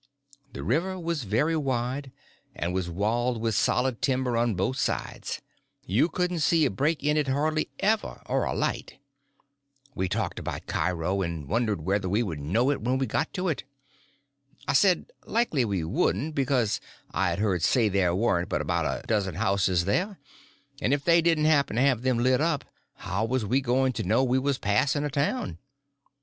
The river was very wide, and was walled with solid timber on both sides; you couldn't see a break in it hardly ever, or a light. We talked about Cairo, and wondered whether we would know it when we got to it. I said likely we wouldn't, because I had heard say there warn't but about a dozen houses there, and if they didn't happen to have them lit up, how was we going to know we was passing a town?